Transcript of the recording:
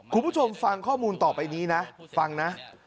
คุณผู้ชมฟังข้อมูลต่อไปนี้นะฟังนะ